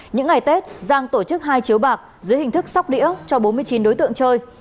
những ngày tết giang tổ chức hai chiếu bạc dưới hình thức sóc đĩa cho bốn mươi chín đối tượng chơi